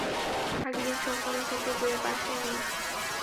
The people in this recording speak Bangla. আগেরদিন সকাল থেকে বাসায় নেই।